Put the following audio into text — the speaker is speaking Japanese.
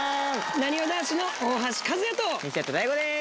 なにわ男子の大橋和也と西畑大吾です